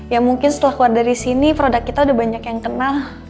ya mungkin setelah keluar dari sini produk kita udah banyak yang kenal